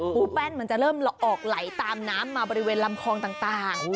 ปูแป้นมันจะเริ่มออกไหลตามน้ำมาบริเวณลำคองต่าง